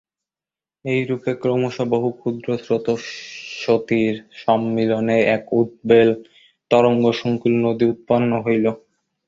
এইরূপে ক্রমশ বহু ক্ষুদ্র স্রোতস্বতীর সম্মিলনে এক উদ্বেল তরঙ্গসঙ্কুল নদী উৎপন্ন হইল।